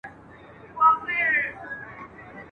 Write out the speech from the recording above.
که سل کاله ژوندی یې، آخر د ګور بنده یې !.